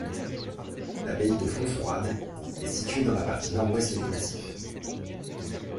L'abbaye de Fontfroide est située dans la partie nord-ouest du massif.